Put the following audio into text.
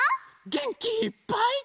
げんきいっぱい。